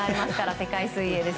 世界水泳です。